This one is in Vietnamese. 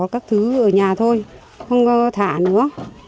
các thứ ở nhà thôi không thả nữa